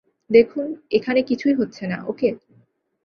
দেখুন, এখানে কিছুই হচ্ছে না, ওকে?